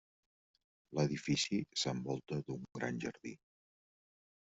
L'edifici s'envolta d'un gran jardí.